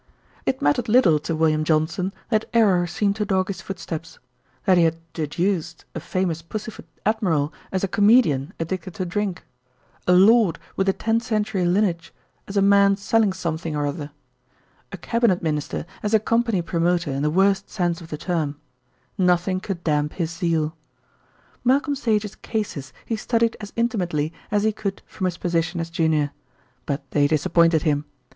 It mattered little to William Johnson that error seemed to dog his footsteps; that he had "deduced" a famous pussyfoot admiral as a comedian addicted to drink; a lord, with a ten century lineage, as a man selling something or other; a Cabinet Minister as a company promoter in the worst sense of the term; nothing could damp his zeal. Malcolm Sage's "cases" he studied as intimately as he could from his position as junior; but they disappointed him.